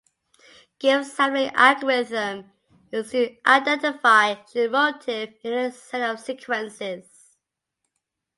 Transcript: Gibbs sampling algorithm is used to identify shared motif in any set of sequences.